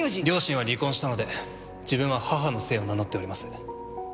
両親は離婚したので自分は母の姓を名乗っております。